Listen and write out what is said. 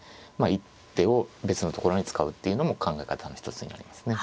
一手を別のところに使うっていうのも考え方の一つになりますね。